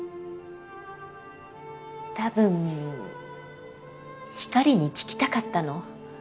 多分光に聞きたかったの。